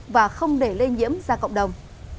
và không để lây nhiễm ra cộng đồng